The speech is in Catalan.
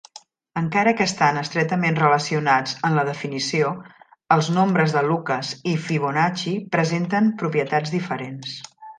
Encara que estan estretament relacionats en la definició, els nombres de Lucas i Fibonacci presenten propietats diferents.